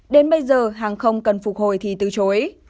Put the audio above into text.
đến bây giờ hàng không cần phục hồi thì từ chối